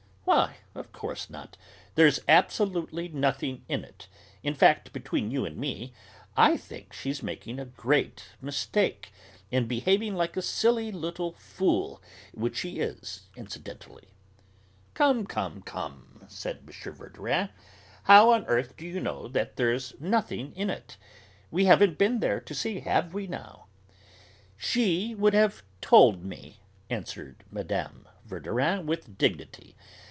"Why, of course not; there's absolutely nothing in it; in fact, between you and me, I think she's making a great mistake, and behaving like a silly little fool, which she is, incidentally." "Come, come, come!" said M. Verdurin, "How on earth do you know that there's 'nothing in it'? We haven't been there to see, have we now?" "She would have told me," answered Mme. Verdurin with dignity.